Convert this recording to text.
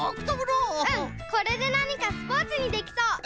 うんこれでなにかスポーツにできそう。